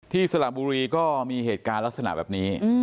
สระบุรีก็มีเหตุการณ์ลักษณะแบบนี้